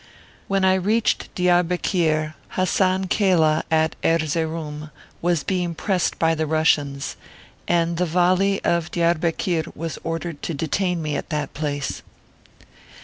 When I reached Diarbekir, Hasan Kaleh, at Erzeroum, was being pressed by the Russians ; and the Vali of Diarbekir was ordered to detain me at that place.